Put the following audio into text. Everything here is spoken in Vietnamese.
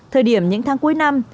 thời điểm những tháng cuối năm